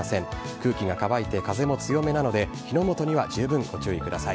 空気が乾いて風も強めなので、火の元には十分ご注意ください。